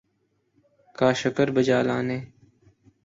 کا شکر بجا لانے